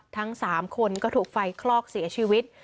ทั้ง๓คนก็ถูกไฟคลอกเสียชีวิต